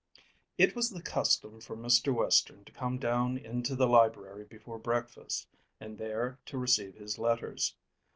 It was the custom for Mr. Western to come down into the library before breakfast, and there to receive his letters.